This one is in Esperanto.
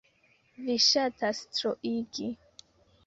Vi ŝatas troigi!